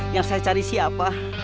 yang saya cari siapa